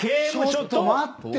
ちょっと待って。